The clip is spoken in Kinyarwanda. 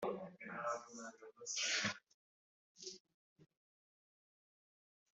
kwiringira k umukiranutsi ni umunezero